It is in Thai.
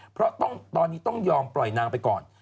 เพราะตอนนี้ต้องยอมปล่อยนางไปก่อน